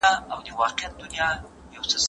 معلم صاحب په کلي کې د پوهې او رڼا مشال دی.